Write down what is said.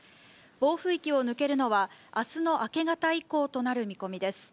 暴風域を抜けるのは、あすの明け方以降となる見込みです。